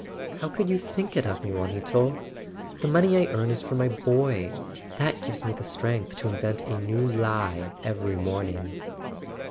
"How could you think it of me, Juanito ? The money I earn is for my boy! That gives me the strength to invent a new lie every morning."